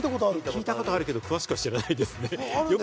聞いたことあるけど、よくは知らないです。